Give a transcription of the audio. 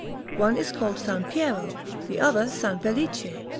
One is called San Piero, the other San Felice.